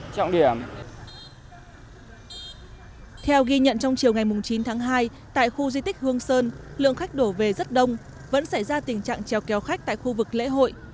theo ghi nhận trong chiều ngày chín tháng hai tại khu di tích hương sơn lượng khách đổ về rất đông vẫn xảy ra tình trạng trèo kéo khách tại khu vực lễ hội